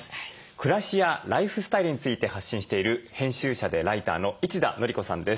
暮らしやライフスタイルについて発信している編集者でライターの一田憲子さんです。